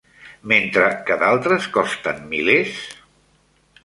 mentre que d'altres costen milers?